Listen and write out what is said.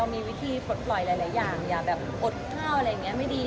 มีวิธีปลดปล่อยหลายอย่างอย่าแบบอดข้าวอะไรอย่างนี้ไม่ดี